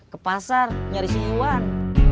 ke pasar nyari si iwan